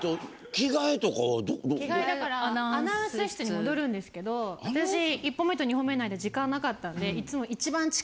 着替えアナウンス室に戻るんですけど私１本目と２本目の間時間なかったんでいつも。